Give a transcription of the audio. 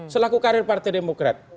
selaku karir partai demokrat